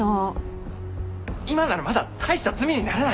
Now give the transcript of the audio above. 今ならまだ大した罪にならない。